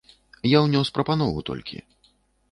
Я ўнёс прапанову толькі.